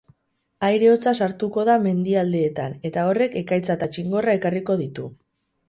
Aire hotza sartuko da mendialdeetan eta horrek ekaitza eta txingorra ekarriko ditu.